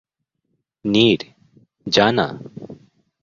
– Neer, যা-না!